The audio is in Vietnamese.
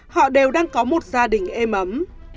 họ đều đang có một gia đình êm ấm